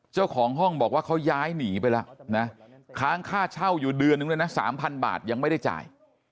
เจ้าของห้องบอกว่าเขาย้ายหนีไปแล้วนะค้างค่าเช่าอยู่เดือนนึงด้วยนะ๓๐๐บาทยังไม่ได้จ่าย